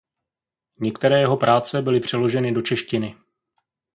Některé jeho práce byly přeloženy do češtiny.